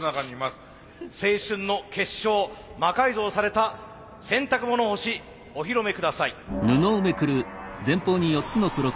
青春の結晶魔改造された洗濯物干しお披露目ください。